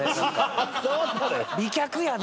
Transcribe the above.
「美脚やで」